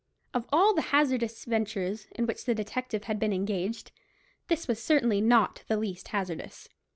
Of all the hazardous ventures in which the detective had been engaged, this was certainly not the least hazardous.